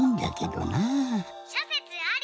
「しょせつあり！」。